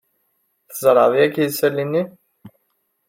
Tzerɛeḍ yagi isali-nni?